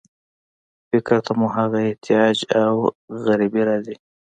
فکر ته مو هغه احتیاج او غریبي راځي.